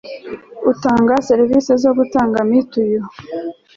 utanga serivisi zo gutanga mitiyu